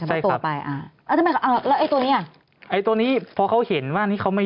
ใช่ครับตัวไปอ่าอ่าแล้วไอ้ตัวเนี้ยไอ้ตัวนี้เพราะเขาเห็นว่านี่เขาไม่